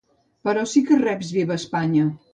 Però sí que reps ‘viva Espanya’.